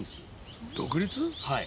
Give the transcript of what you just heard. はい。